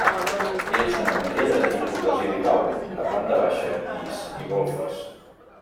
És una masia de tipus basilical, de planta baixa, pis i golfes.